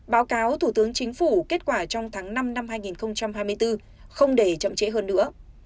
báo cáo thủ tướng chính phủ kết quả trong tháng năm năm hai nghìn hai mươi bốn không để chậm trễ hơn nữa